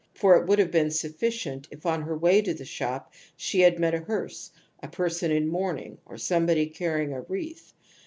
For it would have been sufficient if on her way to the shop she had met a hearse, a person in mourning, or somebody carrying a wreath.